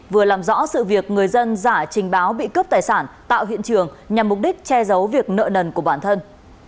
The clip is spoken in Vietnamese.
vừa làm rõ sự việc người dân giả trình báo bị cướp tài sản tạo hiện trường nhằm mục đích che giấu việc nợ nần của bản thân